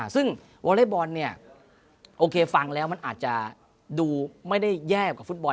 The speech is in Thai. ซึ่งวอเล็กบอลเนี่ยโอเคฟังแล้วมันอาจจะดูไม่ได้แย่กว่าฟุตบอล